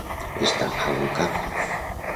Estar a un cap.